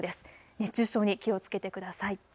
熱中症に気をつけてください。